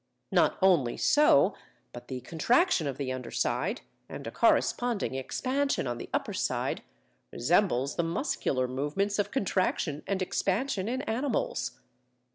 Not only so, but the contraction of the under side and a corresponding expansion on the upper side, resembles the muscular movements of contraction and expansion in animals.